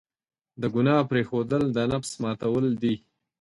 د ګناه پرېښودل، د نفس ماتول دي.